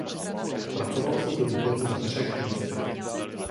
Pracovalo se zde dokonce na třech místech.